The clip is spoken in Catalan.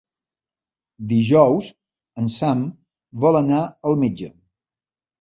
Dijous en Sam vol anar al metge.